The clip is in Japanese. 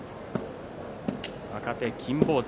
若手、金峰山